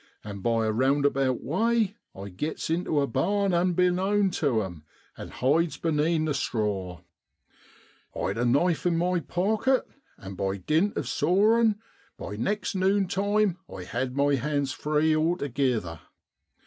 And by a roundabout way I gits intu a barn unbeknown tu 'em, and hides benean the straw. I'd a knife in my pocket, and by dint of sawin', by next nunetime had my hands free altogither.